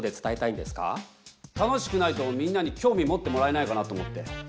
楽しくないとみんなに興味持ってもらえないかなと思って。